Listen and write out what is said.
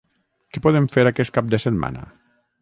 Què podem fer aquest cap de setmana?